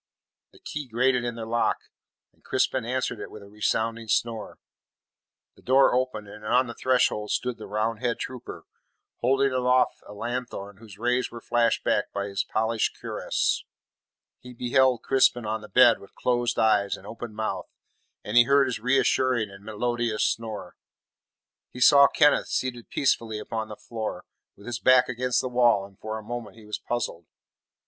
The key grated in the lock, and Crispin answered it with a resounding snore. The door opened, and on the threshold stood the Roundhead trooper, holding aloft a lanthorn whose rays were flashed back by his polished cuirass. He beheld Crispin on the bed with closed eyes and open mouth, and he heard his reassuring and melodious snore. He saw Kenneth seated peacefully upon the floor, with his back against the wall, and for a moment he was puzzled.